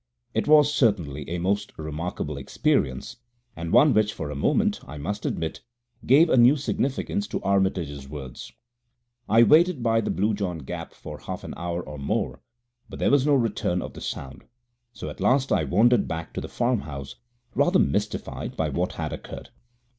It was certainly a most remarkable experience, and one which for a moment, I must admit, gave a new significance to Armitage's words. I waited by the Blue John Gap for half an hour or more, but there was no return of the sound, so at last I wandered back to the farmhouse, rather mystified by what had occurred.